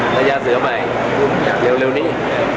ระยะเสือใหม่อยากเร็วเร็วนี้